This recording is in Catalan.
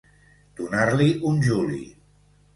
Donar-li un juli.